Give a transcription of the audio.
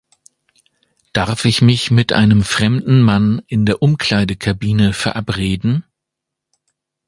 Darf ich mich mit einem fremden Mann in der Umkleidekabine verabreden?